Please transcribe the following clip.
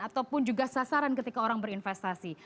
atau sasaran ketika orang berinvestasi